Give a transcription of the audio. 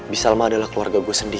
bi salma adalah keluarga gue sendiri